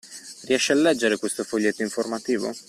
Riesci a leggere questo foglietto informativo?